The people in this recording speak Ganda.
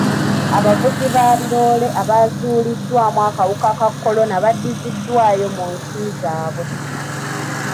Abavuzi ba biroole abaazuuliddwamu akawuka ka kolona baddiziddwayo mu nsi zaabwe.